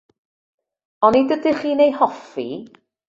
Onid ydych chi'n ei hoffi?